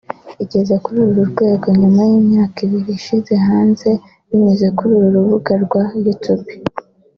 igeze kuri uru rwego nyuma y’imyaka ibiri ishyizwe hanze binyuze kuri uru rubuga rwa Youtube